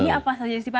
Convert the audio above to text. ini apa saja